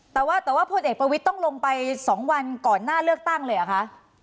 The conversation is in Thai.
แต่ว่าแต่ว่าพลเอกประวิทย์ต้องลงไป๒วันก่อนหน้าเลือกตั้งเลยเหรอคะ